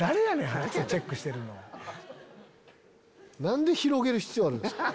何で広げる必要あるんすか？